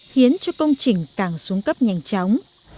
khiến cho công trình càng xuống cấp nhanh chóng